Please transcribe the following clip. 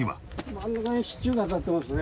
真ん中に支柱が立ってますね。